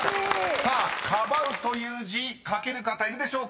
［さあ「カバう」という字書ける方いるでしょうか？］